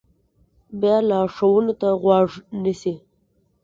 بیا لارښوونو ته غوږ نیسي.